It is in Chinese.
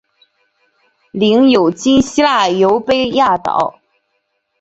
领有今希腊优卑亚岛。